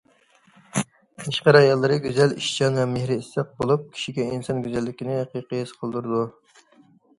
قەشقەر ئاياللىرى گۈزەل، ئىشچان ۋە مېھرى ئىسسىق بولۇپ، كىشىگە ئىنسان گۈزەللىكىنى ھەقىقىي ھېس قىلدۇرىدۇ.